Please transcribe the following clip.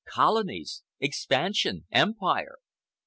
Colonies! Expansion! Empire!